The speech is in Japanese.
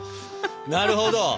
なるほど。